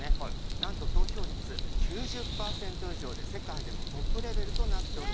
なんと投票率９０％以上で世界でもトップレベルとなっております。